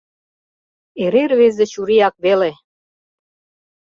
Эре рвезе чурияк веле.